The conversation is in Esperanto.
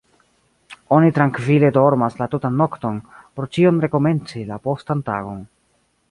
Oni trankvile dormas la tutan nokton, por ĉion rekomenci la postan tagon.